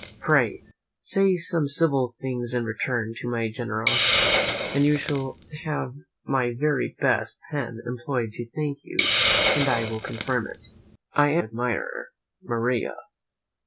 "Pray, say some civil things in return to my generosity, and you shall have my very best pen employed to thank you, and I will confirm it. "I am your admirer, "MARIA."